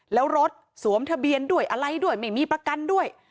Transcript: แล้วรถสวมทะเบียนด้วยอะไรด้วยไม่มีประกันด้วย